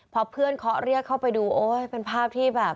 พอเพื่อนเคาะเรียกเข้าไปดูโอ๊ยเป็นภาพที่แบบ